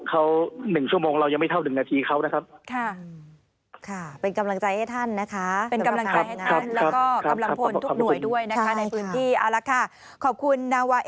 เขาหนึ่งชั่วโมงเรายังไม่เท่าหนึ่งนาทีเขานะครับค่ะ